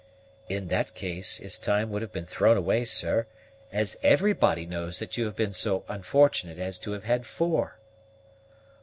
"In that case his time would have been thrown away, sir, as everybody knows that you have been so unfortunate as to have had four."